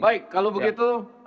baik kalau begitu